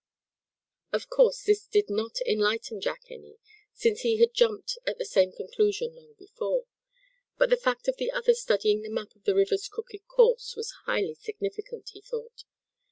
Of course this did not enlighten Jack any, since he had jumped at the same conclusion long before. But the fact of the others studying a map of the river's crooked course was highly significant, he thought.